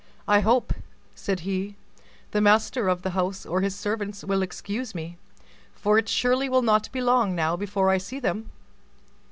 "I hope," said he, "the master of the house or his servants will excuse me, for it surely will not be long now before I see them."